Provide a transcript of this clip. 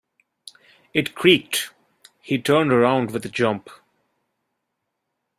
It creaked; he turned round with a jump.